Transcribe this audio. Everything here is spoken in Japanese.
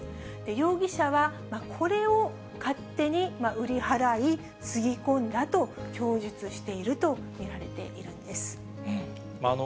容疑者は、これを勝手に売り払い、つぎ込んだと供述していると見られているんです。